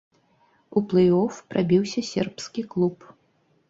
У плэй-оф прабіўся сербскі клуб.